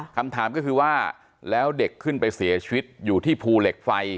คำถามก็คือว่าแล้วเด็กขึ้นไปเสียชีวิตอยู่ที่ภูเหล็กไฟ